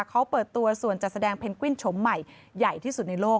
เขาเปิดตัวส่วนจัดแสดงเพนกวินโฉมใหม่ใหญ่ที่สุดในโลก